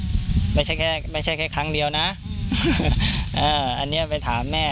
ไม่ใช่แค่ไม่ใช่แค่ครั้งเดียวนะอันนี้ไปถามแม่